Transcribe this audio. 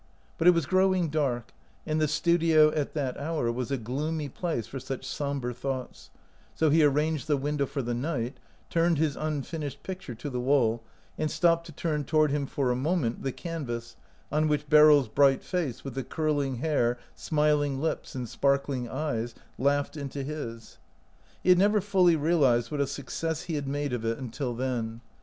But it was growing dark, and the studio at that hour was a gloomy place for such somber thoughts; so he ar ranged the window for the night, turned his unfinished picture to the wall, and stopped to turn toward him for a moment the can vas on which Beryl's bright face, with the curling hair, smiling lips, and sparkling eyes, laughed into his. He had never fully realized what a success he had made of it 154 OUT OF BOHEMIA until then.